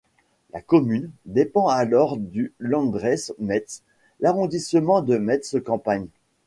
La commune, dépend alors du Landkreis Metz, l'arrondissement de Metz-campagne.